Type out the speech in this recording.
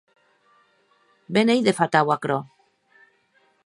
Be n’ei de fatau aquerò!